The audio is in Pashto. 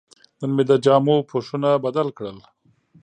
نن مې د جامو پوښونه بدل کړل.